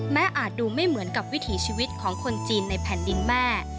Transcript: อาจดูไม่เหมือนกับวิถีชีวิตของคนจีนในแผ่นดินแม่